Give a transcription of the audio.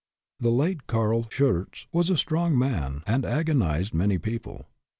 The late Carl Schurz was a strong man and antagonized many people.